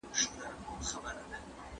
شفق میاشتنۍ ډېر ګټور مطالب لرل.